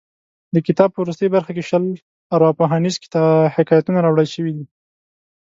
د کتاب په وروستۍ برخه کې شل ارواپوهنیز حکایتونه راوړل شوي دي.